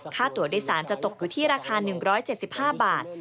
ค่าตัวโดยสารจะตกอยู่ที่ราคา๑๗๕บาท